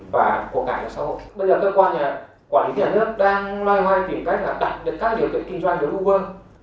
và khai thác cái lợi nhận đặc quyền